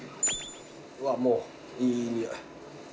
うわっもういい匂い。